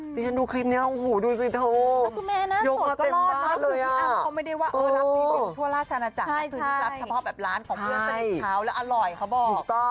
เล่นดูคลิปเนี่ยโฮดูซิโธ่